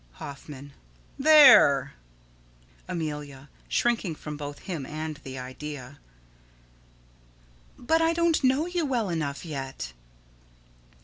Hoffman: There! Amelia: [Shrinking from both him and the idea.] But I don't know you well enough yet.